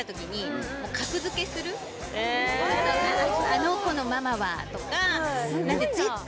あの子のママはとか。